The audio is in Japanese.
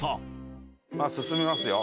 進みますよ。